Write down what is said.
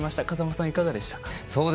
風間さん、いかがでしたか。